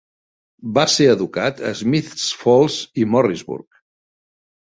Va ser educat a Smiths Falls i Morrisburg.